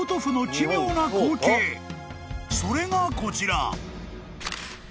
［それがこちら］